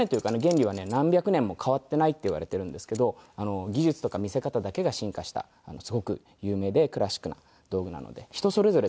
何百年も変わっていないっていわれているんですけど技術とか見せ方だけが進化したすごく有名でクラシックな道具なので人それぞれ違う。